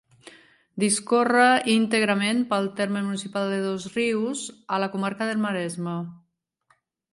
Discorre íntegrament pel terme municipal de Dosrius, a la comarca del Maresme.